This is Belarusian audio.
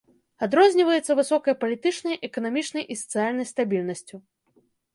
Адрозніваецца высокай палітычнай, эканамічнай і сацыяльнай стабільнасцю.